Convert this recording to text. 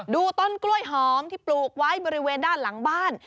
ดูต้นกล้วยหอมที่ปลูกไว้บริเวณด้านหลังบ้าน